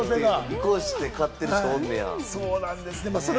見越して買ってる人、おんねや。